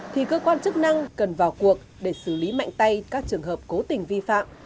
thì cơ quan chức năng cần vào cuộc để xử lý mạnh tay các trường hợp cố tình vi phạm